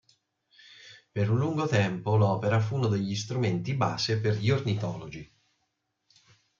Per lungo tempo l'opera fu uno degli strumenti base per gli ornitologi.